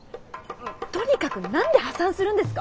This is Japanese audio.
とにかく何で破産するんですか？